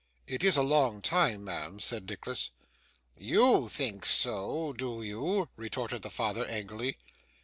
'It is a long time, ma'am,' said Nicholas. 'YOU think so, do you?' retorted the father, angrily.